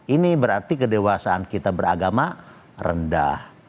ini berarti kedewasaan kita beragama rendah